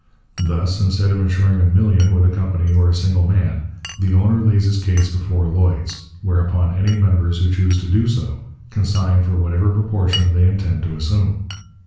Thus, instead of insuring a million with a company or a single man, the owner lays his case before Lloyd's, whereupon any members who choose to do so can sign for whatever proportion they intend to assume.